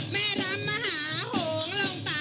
แม่ลำมหาโหงลงตำ